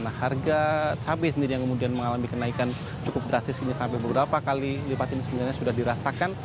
nah harga cabai sendiri yang kemudian mengalami kenaikan cukup drastis ini sampai beberapa kali lipat ini sebenarnya sudah dirasakan